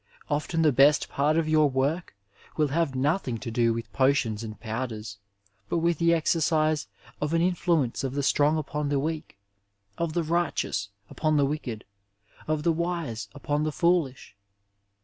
Often the best part of your work will have nothing to do with potions and powders, but with the exercise of an influence of the strong upon the weak, of the righteous upon the wicked, of the wise upon the foolish.